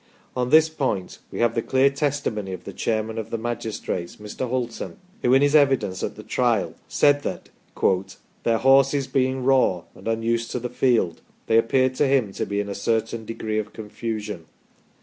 On this point we have the clear testimony of the chairman of the magistrates, Mr. Hulton, who in his evidence at the Trial said that " their horses being raw, and unused to the, field, they appeared to him to be in a certain degree of confusion